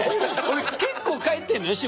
俺結構帰ってんのよ